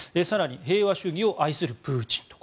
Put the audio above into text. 更に平和主義を愛するプーチン